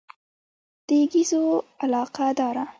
د ګېزو علاقه داره.